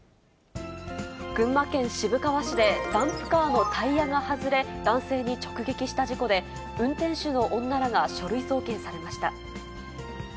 群馬県渋川市でダンプカーのタイヤが外れ、男性に直撃した事故で、運転手の女らが書類送検されました。